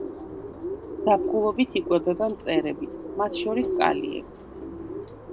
ზაფხულობით იკვებება მწერებით, მათ შორის კალიებით.